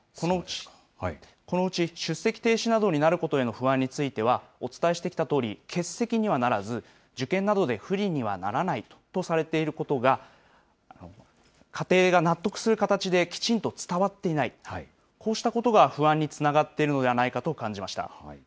このうち、出席停止などになることへの不安については、お伝えしてきたとおり、欠席にはならず、受験などで不利にはならないとされていることが、家庭が納得する形できちんと伝わっていない、こうしたことが不安につながっているのではないかと感じました。